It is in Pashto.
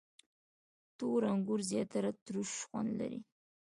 • تور انګور زیاتره تروش خوند لري.